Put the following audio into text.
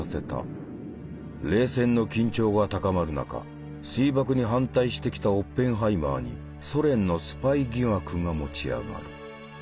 冷戦の緊張が高まる中水爆に反対してきたオッペンハイマーにソ連のスパイ疑惑が持ち上がる。